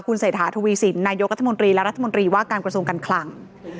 เศรษฐาทวีสินนายกรัฐมนตรีและรัฐมนตรีว่าการกระทรวงการคลัง